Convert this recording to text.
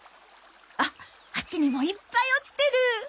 あっあっちにもいっぱい落ちてる！